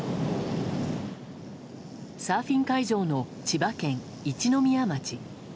サーフィン会場の千葉県一宮町。